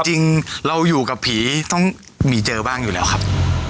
จริงเราอยู่กับผีต้องมีเจอบ้างอยู่แล้วครับ